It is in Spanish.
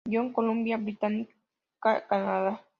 John, Columbia Británica, Canadá.